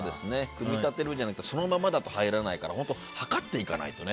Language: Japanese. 組み立てのじゃなくてそのままのだと入らないから測っていかないとね。